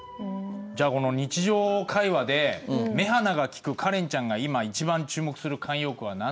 じゃあこの日常会話で目鼻がきくカレンちゃんが今一番注目する慣用句は何だろう？